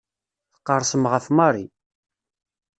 Tqerrsem ɣef Mary.